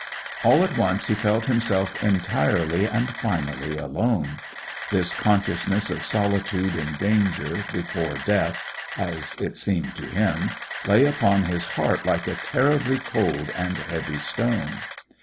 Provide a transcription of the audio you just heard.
All at once, he felt himself entirely and finally alone. This consciousnes'5 of solitude in danger, before death, as it seemed to him, lay upon his heart like a terribly cold and heavy stone.